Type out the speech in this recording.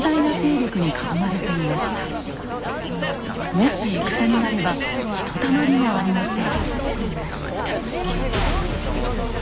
もし戦になればひとたまりもありません。